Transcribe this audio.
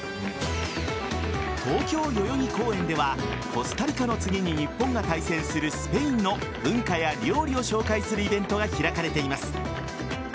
東京・代々木公園ではコスタリカの次に日本が対戦するスペインの文化や料理を紹介するイベントが開かれています。